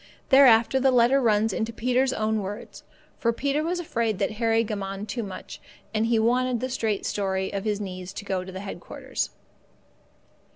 Thereafter the letter runs in Peter's own words, for Peter was afraid that Harry gammoned too much, and he wanted the straight story of his needs to go to headquarters.